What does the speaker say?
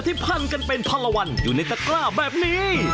ที่พันกันเป็นพารวัลอยู่ในตะกร้าแบบนี้